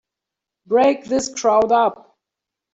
Break this crowd up!